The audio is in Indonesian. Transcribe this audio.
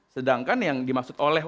sedangkan yang dimaksud oleh